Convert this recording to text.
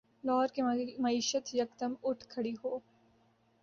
لاہور کی معیشت یکدم اٹھ کھڑی ہو۔